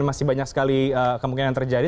masih banyak sekali kemungkinan terjadi